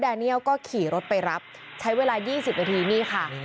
เนียลก็ขี่รถไปรับใช้เวลา๒๐นาทีนี่ค่ะ